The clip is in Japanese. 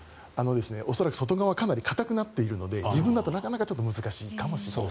恐らく、外側はかなり硬くなっているので自分だとなかなか難しいかもしれない。